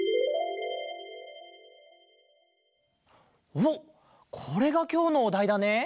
おっこれがきょうのおだいだね？